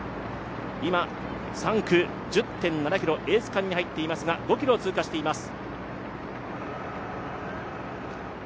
今、３区１０．７ｋｍ、エース区間に入っていますが５ｋｍを通過しています。